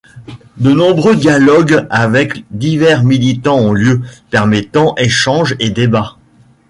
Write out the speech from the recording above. De nombreux dialogues avec divers militants ont lieu, permettant échanges et débats.